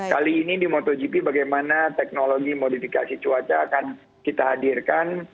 kali ini di motogp bagaimana teknologi modifikasi cuaca akan kita hadirkan